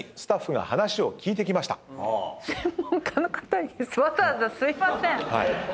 専門家の方に⁉わざわざすいません。